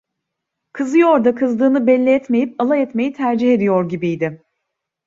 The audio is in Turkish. Kızıyor da kızdığını belli etmeyip alay etmeyi tercih ediyor gibiydi.